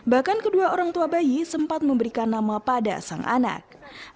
bahkan kedua orang tua bayi sempat memberikan nama pada sang anak